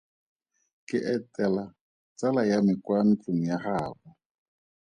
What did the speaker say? Ke etela tsala ya me kwa ntlong ya gaabo.